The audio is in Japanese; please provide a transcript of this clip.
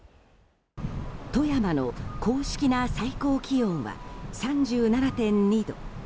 富山の公式な最高気温は３７．２度。